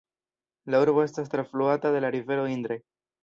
La urbo estas trafluata de la rivero Indre.